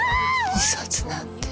自殺なんて。